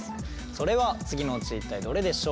それは次のうち一体どれでしょう？